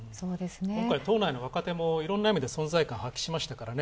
党内の若手もいろんな意味で存在感を発揮しましたからね。